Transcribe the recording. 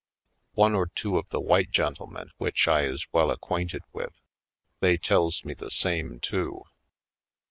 One or two of the white gentlemen which I is well acquainted with, they tells me the same, too.